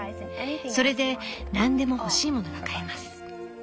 それでなんでも欲しいものが買えます。